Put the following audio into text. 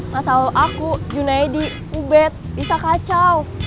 masa lalu aku junaedi ubed bisa kacau